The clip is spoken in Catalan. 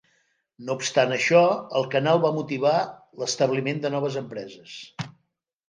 No obstant això, el canal va motivar l'establiment de noves empreses.